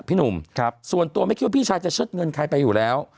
พี่หนุ่มส่วนตัวไม่คิดว่าพี่ชายจะเชิดเงินใครไปอยู่แล้ว